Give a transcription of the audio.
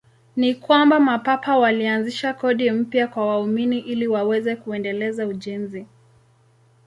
Ni kwamba Mapapa walianzisha kodi mpya kwa waumini ili waweze kuendeleza ujenzi.